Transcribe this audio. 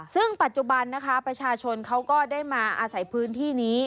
ซึ่งปัจจุบันนะคะประชาชนเขาก็ได้มาอาศัยพื้นที่นี้